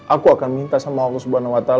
aku akan minta sama allah swt